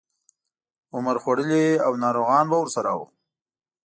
عمر خوړلي او ناروغان به ورسره وو.